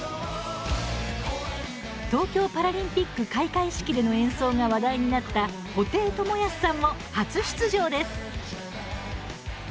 東京パラリンピック開会式での演奏が話題になった布袋寅泰さんも初出場です。